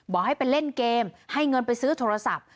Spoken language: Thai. บอกให้ไปเล่นเกมให้เงินไปซื้อโทรศัพท์